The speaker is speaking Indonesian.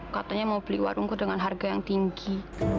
katanya mau beli warungku dengan harga yang tinggi